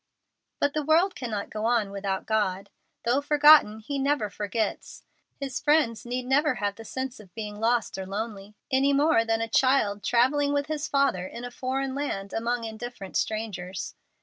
"But the world cannot go on without God. Though forgotten, He never forgets! His friends need never have the sense of being lost or lonely any more than a child travelling with his father in a foreign land among indifferent strangers.